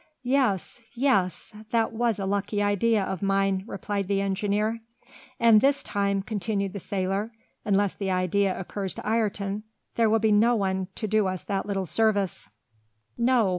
"Yes, yes! That was a lucky idea of mine!" replied the engineer. "And this time," continued the sailor, "unless the idea occurs to Ayrton, there will be no one to do us that little service!" "No!